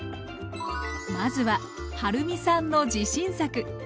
まずははるみさんの自信作